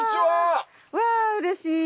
わうれしい！